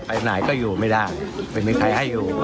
ไหนก็อยู่ไม่ได้ไม่มีใครให้อยู่